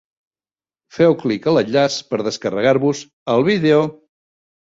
Feu clic a l'enllaç per descarregar-vos el vídeo.